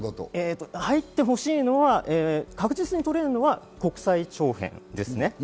入ってほしいのは確実に取れるのは国際長編です。